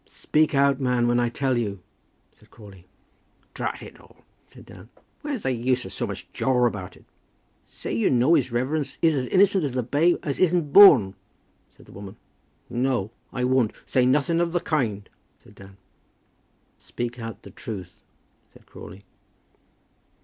"Speak out, man, when I tell you," said Crawley. [Illustration: "Speak out, Dan."] "Drat it all," said Dan, "where's the use of so much jaw about it?" "Say you know his reverence is as innocent as the babe as isn't born," said the woman. "No; I won't, say nothing of the kind," said Dan. "Speak out the truth," said Crawley.